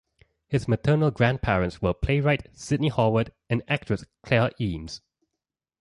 His maternal grandparents were playwright Sidney Howard and actress Clare Eames.